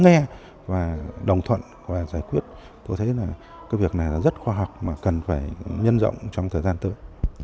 nghe và đồng thuận và giải quyết tôi thấy là cái việc này là rất khoa học mà cần phải nhân rộng trong thời gian tới